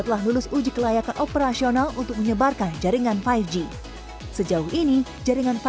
telah lulus uji kelayakan operasional untuk menyebarkan jaringan lima g sejauh ini jaringan